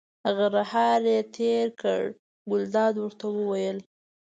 غرهار یې تېر کړ، ګلداد ورته وویل.